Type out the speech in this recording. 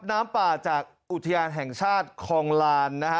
น้ำป่าจากอุทยานแห่งชาติคลองลานนะฮะ